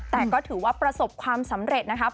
แต่ก็ถือว่าประสบความสำเร็จนะครับ